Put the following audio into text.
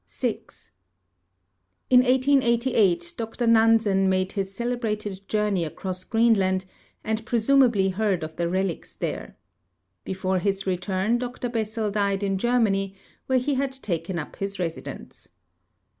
6. In 1888 Dr Nansen made his celebrated journey across Greenland and presumaldy heard of the relics there. Before his return, Dr Bessels died in Germany, where he had taken up his residence.